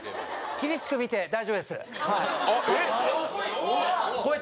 厳しく見て大丈夫ですはいえっ？